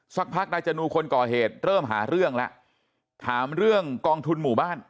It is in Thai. สักพักนายจนูคนก่อเหตุเริ่มหาเรื่องแล้วถามเรื่องกองทุนหมู่บ้าน